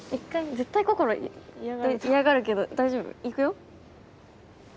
絶対心嫌がるけど大丈夫？いくよ。